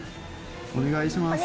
お願いします。